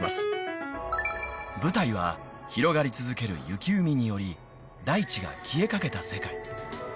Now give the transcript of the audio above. ［舞台は広がり続ける雪海により大地が消えかけた世界］